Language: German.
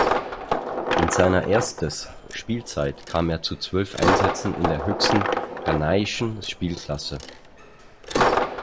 In seiner erstes Spielzeit kam er zu zwölf Einsätzen in der höchsten ghanaischen Spielklasse.